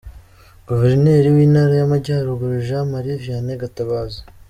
Guverineri w’Intara y’Amajyaruguru, Jean Marie Vianney Gatabazi.